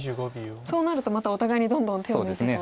そうなるとまたお互いにどんどん手を抜いてと。